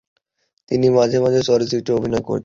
তিনি মাঝে মাঝে চলচ্চিত্রেও অভিনয় করতেন।